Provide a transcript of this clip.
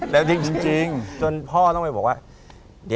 แล้วทิ้งจริงจนพ่อต้องไปบอกว่า